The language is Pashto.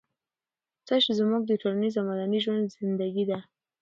تش زموږ د ټولنيز او مدني ژوند زېږنده دي.